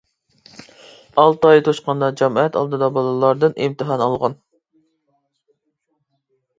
ئالتە ئاي توشقاندا جامائەت ئالدىدا بالىلاردىن ئىمتىھان ئالغان.